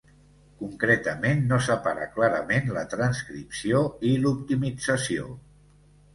Concretament, no separa clarament la transcripció i l'optimització.